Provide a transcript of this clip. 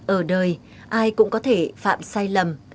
ở đời ai cũng có thể phạm sai lầm